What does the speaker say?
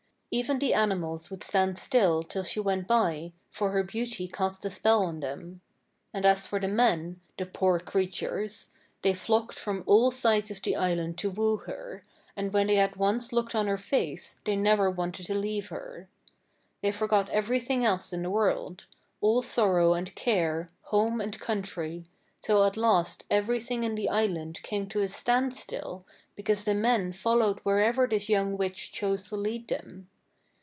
Even the animals would stand still till she went by, for her beauty cast a spell on them. And as for the men, the poor creatures, they flocked from all sides of the island to woo her, and when they had once looked on her face they never wanted to leave her. They forgot everything else in the world all sorrow and care, home and country, till at last everything in the island came to a standstill because the men followed wherever this young witch chose to lead them.